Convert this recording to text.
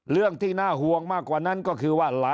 เรื่องที่น่าห่วงมากกว่านั้นก็คือว่า